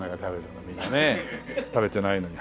みんなね食べてないのに。